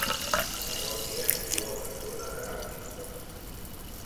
La parròquia inclou la zona de Galmington.